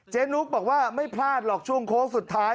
นุ๊กบอกว่าไม่พลาดหรอกช่วงโค้งสุดท้าย